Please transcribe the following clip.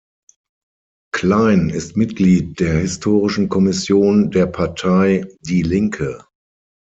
Klein ist Mitglied der Historischen Kommission der Partei Die Linke.